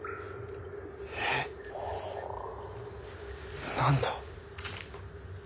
えっ何だ？